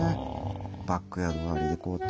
バックヤード周りにこうやって。